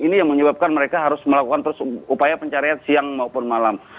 ini yang menyebabkan mereka harus melakukan upaya pencarian siang maupun malam